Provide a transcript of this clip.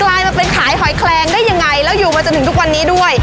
ลายมาเป็นขายหอยแคลงได้ยังไงแล้วอยู่มาจนถึงทุกวันนี้ด้วย